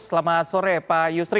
selamat sore pak yusri